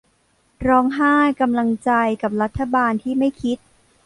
ร้องไห้กำลังใจกับรัฐบาลที่ไม่คิด